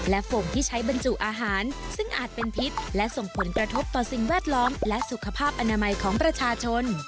และฝงที่ใช้บรรจุอาหารซึ่งอาจเป็นพิษและส่งผลกระทบต่อสิ่งแวดล้อมและสุขภาพอนามัยของประชาชน